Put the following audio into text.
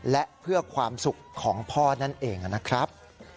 และเพื่อความสุขของพ่อนั่นเองนะครับ